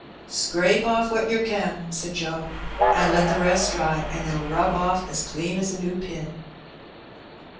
"Scrape off what yer can," said Joe, "and let the rest dry, and it'll rub off as clean as a new pin."